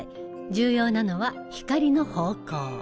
重要なのは光の方向。